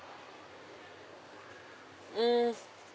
うん！